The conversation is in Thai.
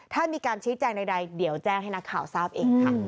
ถ้ามีการชี้แจงใดเดี๋ยวแจ้งให้นักข่าวทราบเองค่ะ